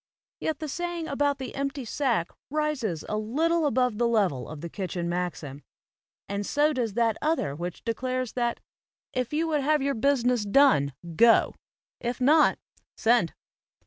Yet the saying about the empty sack rises a little above the level of the kitchen maxim; and so does that other which declares that "if you would have your business done, go; if not send."